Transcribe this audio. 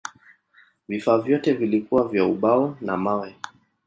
Vifaa vyote vilikuwa vya ubao na mawe.